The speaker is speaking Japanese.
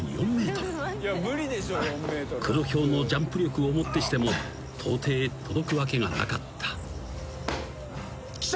［クロヒョウのジャンプ力をもってしてもとうてい届くわけがなかった］